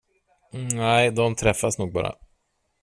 Nej, de träffas nog bara.